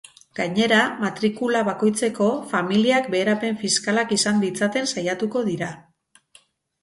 Gainera, matrikula bakoitzeko, familiak beherapen fiskalak izan ditzaten saiatuko dira.